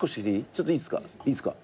ちょっといいっすか？